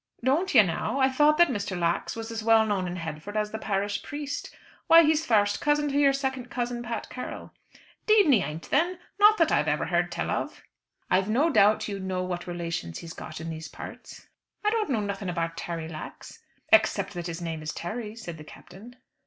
"Don't you, now? I thought that Mr. Lax was as well known in Headford as the parish priest. Why, he's first cousin to your second cousin, Pat Carroll." "'Deed and he ain't then; not that I ever heard tell of." "I've no doubt you know what relations he's got in these parts." "I don't know nothin' about Terry Lax." "Except that his name is Terry," said the Captain.